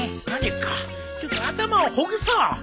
まる子ちょっと頭をほぐそう。